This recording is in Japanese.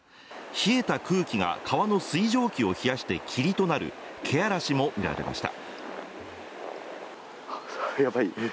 冷えた空気が川の水蒸気を冷やして霧となる、けあらしも見られました